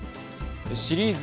シリーズ